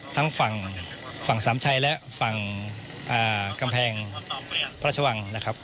ทั้งฝั่งฝั่งสามชัยและฝั่งกำแพงพระชวังนะครับ